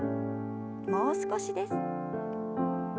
もう少しです。